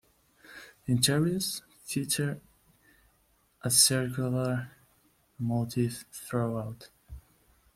Interiors feature a circular motif throughout.